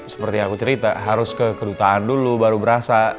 seperti aku cerita harus ke kedutaan dulu baru berasa